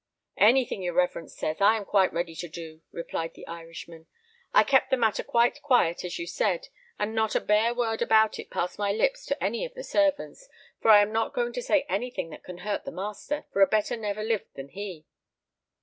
"Anything your reverence says, I am quite ready to do," replied the Irishman. "I kept the matter quite quiet as you said, and not a bare word about it passed my lips to any of the servants, for I am not going to say anything that can hurt the master, for a better never lived than he."